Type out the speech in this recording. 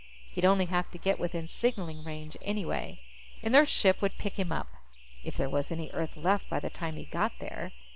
He'd only have to get within signaling range, anyway. An Earth ship would pick him up. _If there was any Earth left by the time he got there.